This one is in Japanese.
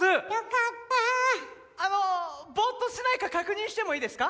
あのボーっとしてないか確認してもいいですか？